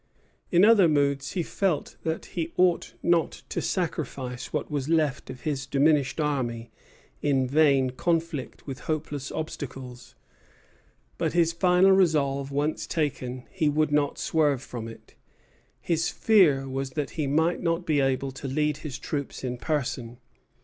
In other moods he felt that he ought not to sacrifice what was left of his diminished army in vain conflict with hopeless obstacles. But his final resolve once taken, he would not swerve from it. His fear was that he might not be able to lead his troops in person.